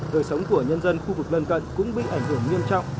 đời sống của nhân dân khu vực lân cận cũng bị ảnh hưởng nghiêm trọng